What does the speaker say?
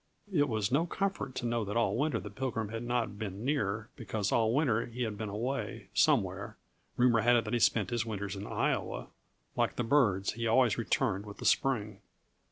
It was no comfort to know that all winter the Pilgrim had not been near, because all winter he had been away somewhere rumor had it that he spent his winters in Iowa. Like the birds, he always returned with the spring.